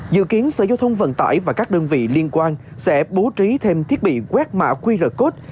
dự kiến sở giao thông vận tải và các đơn vị liên quan sẽ bố trí thêm thiết bị quét mã qr code